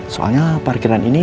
soalnya parkiran ini